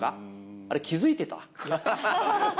あれ、気付いてた？